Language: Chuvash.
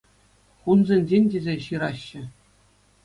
Хунсенчен тесе ҫыраҫҫӗ.